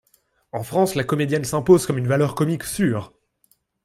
En France, la comédienne s'impose comme une valeur comique sûre.